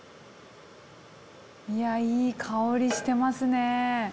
いやいい香りしてますね。